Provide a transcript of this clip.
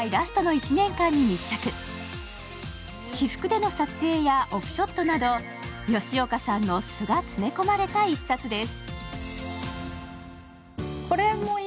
私服での撮影やオフショットなど吉岡さんの素が詰め込まれた一冊です。